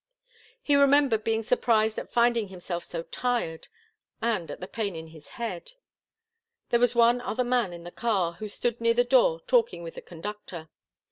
He remembered being surprised at finding himself so tired, and at the pain in his head. There was one other man in the car, who stood near the door talking with the conductor.